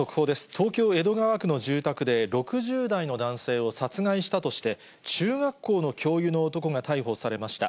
東京・江戸川区の住宅で６０代の男性を殺害したとして、中学校の教諭の男が逮捕されました。